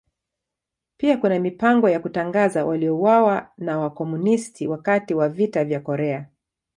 Pia kuna mipango ya kutangaza waliouawa na Wakomunisti wakati wa Vita vya Korea.